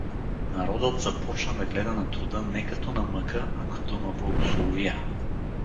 Народът започна да гледа на труда не като на мъка, а като на благословия.